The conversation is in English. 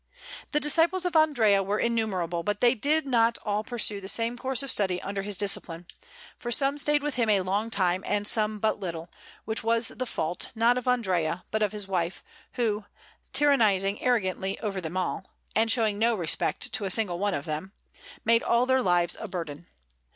The disciples of Andrea were innumerable, but they did not all pursue the same course of study under his discipline, for some stayed with him a long time, and some but little; which was the fault, not of Andrea, but of his wife, who, tyrannizing arrogantly over them all, and showing no respect to a single one of them, made all their lives a burden.